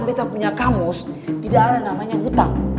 kita punya kamus tidak ada namanya utang